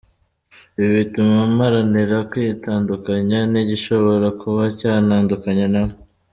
Ibi bituma mparanira kwitandukanya n’igishobora kuba cyantandukanya na we.